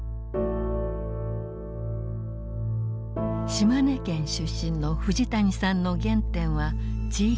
島根県出身の藤谷さんの原点は地域医療。